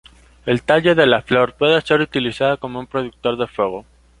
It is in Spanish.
El tallo de la flor puede ser utilizado como un productor de fuego.